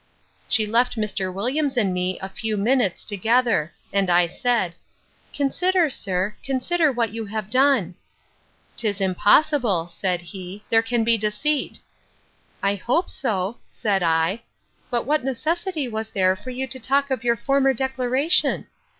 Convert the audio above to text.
She left Mr. Williams and me, a few minutes, together; and I said, Consider, sir, consider what you have done. 'Tis impossible, said he, there can be deceit. I hope so, said I; but what necessity was there for you to talk of your former declaration?